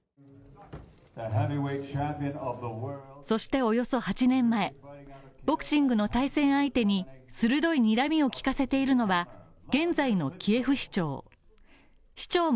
そしておよそ８年前、ボクシングの対戦相手に鋭いにらみをきかせているのは現在のキエフ市長。